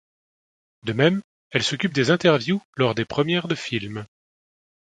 De même, elle s'occupe des interviews lors des premières de film.